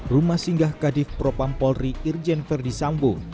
rumah singgah kadif propam polri irjen verdi sambo